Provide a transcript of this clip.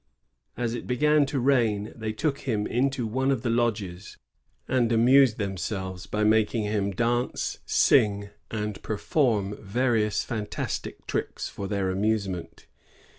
As it began to rain, they took him into one of their lodges, and amused themselves by making him dance, sing, and perform various fantastic tricks for their amusement.